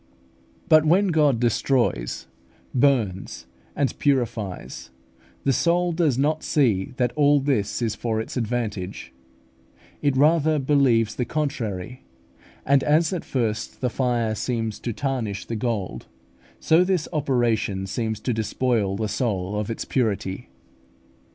But when God destroys, burns, and purifies, the soul does not see that all this is for its advantage; it rather believes the contrary: and as at first the fire seems to tarnish the gold, so this operation seems to despoil the soul of its purity.